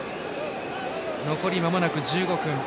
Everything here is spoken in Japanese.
残りまもなく１５分。